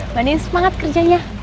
mbak andin semangat kerjanya